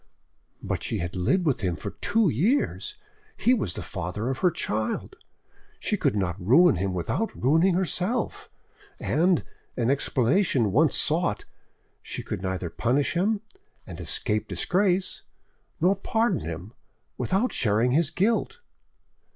But she had lived with him for two years, he was the father of her child, she could not ruin him without ruining herself, and, an explanation once sought, she could neither punish him and escape disgrace, nor pardon him without sharing his guilt.